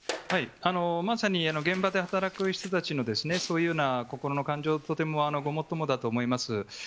まさに現場で働く人たちのそういうような心の感情はごもっともだと思います。